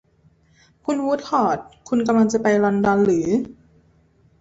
คุณวูดคอร์ต คุณกำลังจะไปลอนดอนหรือ ?